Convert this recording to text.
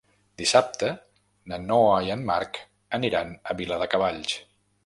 Dissabte na Noa i en Marc aniran a Viladecavalls.